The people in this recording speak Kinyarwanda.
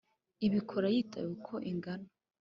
ibikora yitaye uko ingana.